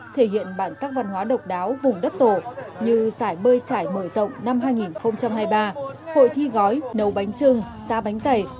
thể hiện bản sắc văn hóa độc đáo vùng đất tổ như giải bơi trải mở rộng năm hai nghìn hai mươi ba hội thi gói nấu bánh trưng sa bánh dày